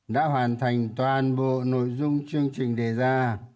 đã hoàn thành toàn bộ nội dung chương trình đề ra